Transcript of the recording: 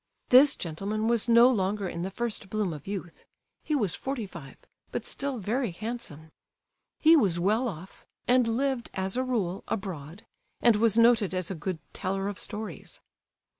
This gentleman was no longer in the first bloom of youth—he was forty five, but still very handsome. He was well off, and lived, as a rule, abroad, and was noted as a good teller of stories.